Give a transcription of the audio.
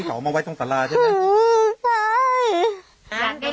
อยากได้ร่างอยากทำอะไรอยู่ตรงนั้น